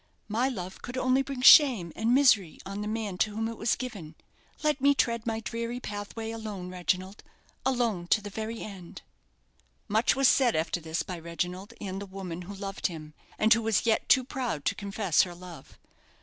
My love could only bring shame and misery on the man to whom it was given. Let me tread my dreary pathway alone, Reginald alone to the very end." Much was said after this by Reginald and the woman who loved him, and who was yet too proud to confess her love.